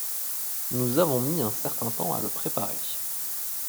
Nous avons mis un certain temps à le préparer.